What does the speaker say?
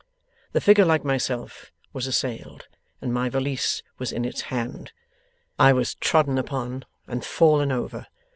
The figure like myself was assailed, and my valise was in its hand. I was trodden upon and fallen over.